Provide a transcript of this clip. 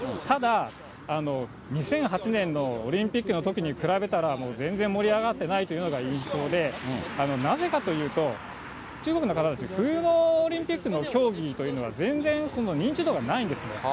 ただ、２００８年のオリンピックのときに比べたら、もう全然盛り上がってないというのが印象で、なぜかというと、中国の方たち、冬のオリンピックの競技というのが、全然認知度がないんですね。